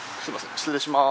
失礼します。